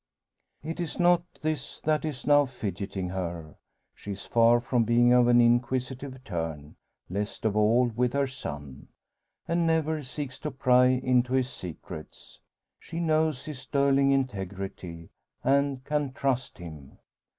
It is not this that is now fidgeting her. She is far from being of an inquisitive turn least of all with her son and never seeks to pry into his secrets. She knows his sterling integrity, and can trust him.